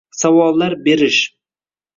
Savollar berish.